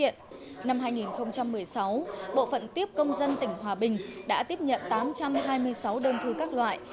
năm hai nghìn một mươi sáu bộ phận tiếp công dân tỉnh hòa bình đã tiếp nhận tám trăm hai mươi sáu đơn thư các loại